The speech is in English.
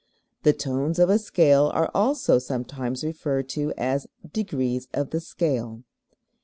The tones of a scale are also sometimes referred to as "degrees of the scale."